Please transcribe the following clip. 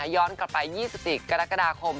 ย้อนกลับไป๒๔กรกฎาคม